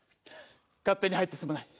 勝手に入ってすまない。